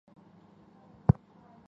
少初位为日本官阶的一种。